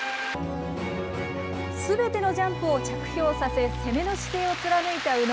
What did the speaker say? すべてのジャンプを着氷させ、攻めの姿勢を貫いた宇野。